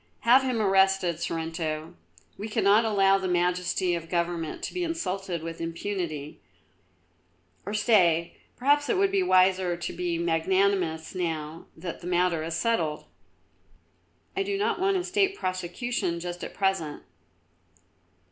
"Have him arrested, Sorrento. We cannot allow the majesty of Government to be insulted with impunity, or stay, perhaps it would be wiser to be magnanimous now that the matter is settled. I do not want a State prosecution just at present."